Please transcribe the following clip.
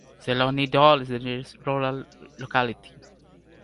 Zelyony Dol is the nearest rural locality.